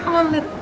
lima menit dah